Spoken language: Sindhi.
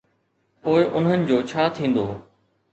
پوءِ انهن جو ڇا ٿيندو؟